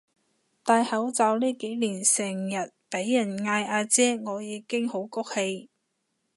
戴口罩呢幾年成日畀人嗌阿姐我已經好谷氣